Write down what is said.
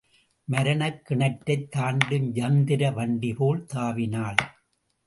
மரணக் கிணறைத் தாண்டும் யந்திர வண்டிபோல் தாவினாள்.